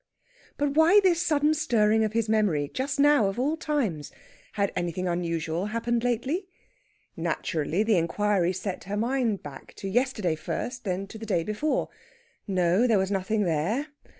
But why this sudden stirring of his memory, just now of all times? Had anything unusual happened lately? Naturally, the inquiry sent her mind back, to yesterday first, then to the day before. No! there was nothing there.